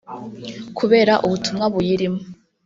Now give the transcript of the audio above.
Kubera ubutumwa buyirimo